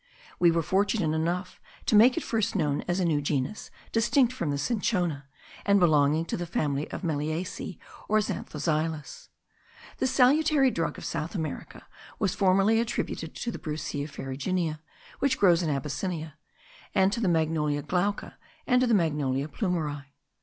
We were fortunate enough to make it first known as a new genus distinct from the cinchona, and belonging to the family of meliaceae, or of zanthoxylus. This salutary drug of South America was formerly attributed to the Brucea ferruginea which grows in Abyssinia, to the Magnolia glauca, and to the Magnolia plumieri.